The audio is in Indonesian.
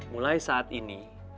mulai saat ini